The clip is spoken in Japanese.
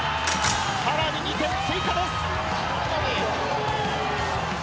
さらに２点追加です。